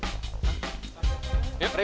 rey butuh bantuan